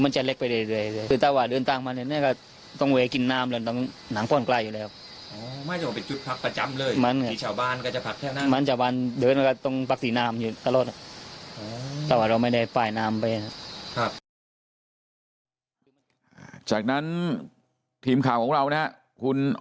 ชาวบ้านก็จะผัดแค่นั่น